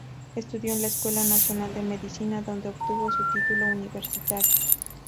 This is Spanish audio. Estudió en la Escuela Nacional de Medicina, donde obtuvo su título universitario.